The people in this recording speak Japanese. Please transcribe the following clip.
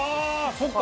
そっか。